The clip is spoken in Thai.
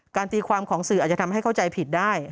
ตีความของสื่ออาจจะทำให้เข้าใจผิดได้